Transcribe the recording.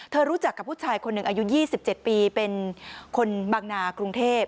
รู้จักกับผู้ชายคนหนึ่งอายุ๒๗ปีเป็นคนบางนากรุงเทพ